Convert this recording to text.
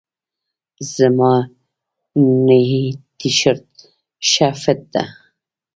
زما نئی تیشرت ښه فټ ده.